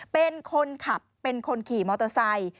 เป็นคนขับเป็นคนขี่มอเตอร์ไซค์